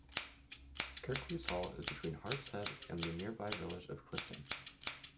Kirklees Hall is between Hartshead and the nearby village of Clifton.